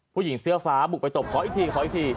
ผู้หญิงเสื้อฟ้าบุกไปตบขออีกทีขออีกที